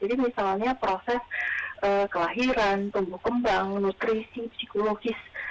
jadi misalnya proses kelahiran tumbuh kembang nutrisi psikologi